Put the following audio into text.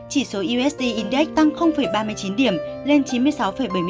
chỉ số usd index tăng ba mươi chín điểm lên chín mươi sáu bảy mươi chín